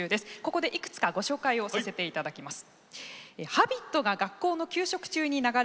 ここで、いくつかご紹介させていただきます。